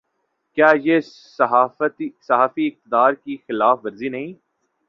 کیا یہ صحافی اقدار کی خلاف ورزی نہیں۔